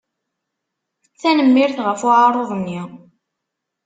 Tanemmirt ɣef uεaruḍ-nni.